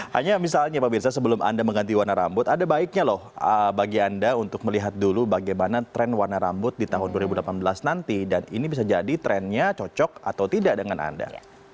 hanya misalnya pak mirza sebelum anda mengganti warna rambut ada baiknya loh bagi anda untuk melihat dulu bagaimana tren warna rambut di tahun dua ribu delapan belas nanti dan ini bisa jadi trennya cocok atau tidak dengan anda